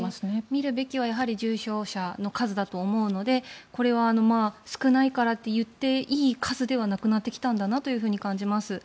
見るべきはやはり重症者の数だと思うのでこれは少ないからと言っていい数ではなくなってきたんだなと感じます。